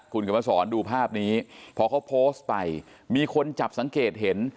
คุณเขียนมาสอนดูภาพนี้พอเขาโพสต์ไปมีคนจับสังเกตเห็น